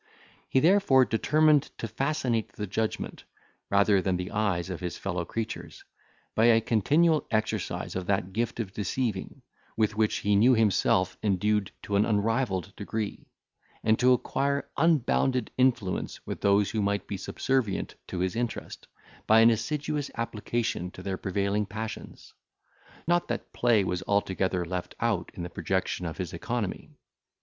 He therefore determined to fascinate the judgment, rather than the eyes of his fellow creatures, by a continual exercise of that gift of deceiving, with which he knew himself endued to an unrivalled degree; and to acquire unbounded influence with those who might be subservient to his interest, by an assiduous application to their prevailing passions. Not that play was altogether left out in the projection of his economy.